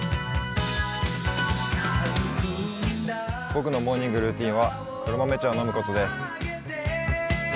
僕のモーニングルーチンは黒豆茶を飲むことです。